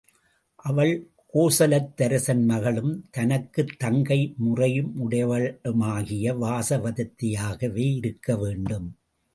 அவள் கோசலத்தரசன் மகளும், தனக்குத் தங்கை முறையுடையவளுமாகிய வாசவதத்தையாகவே இருக்க வேண்டும்!